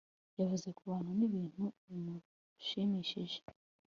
yavuze kubantu nibintu bimushimishije